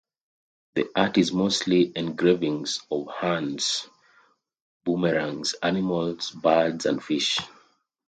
The art is mostly engravings of hands, boomerangs, animals, birds and fish.